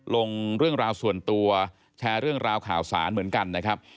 ลงเรื่องราวส่วนตัวแชร์เรื่องราวข่าวสารเหมือนกันนะครับ